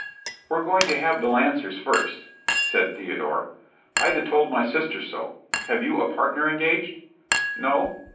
"We're going to have the Lancers first," said Theodore. "Ida told my sister so. Have you a partner engaged?" "No."